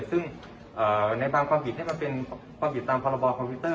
ซึ่งในตามความผิดมันเป็นความผิดตามพรบคอมพิวเตอร์